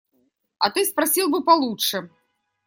А ты спросил бы получше.